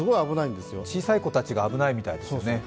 小さい子たちが危ないみたいですね。